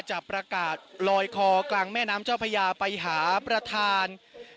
จะพอเราขอรอยคอกลังแม่น้ำเจ้าประยาไปหาประธาน